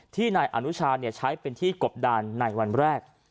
นายอนุชาใช้เป็นที่กบดานในวันแรก